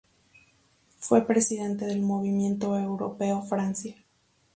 Fue presidente del Movimiento Europeo Francia.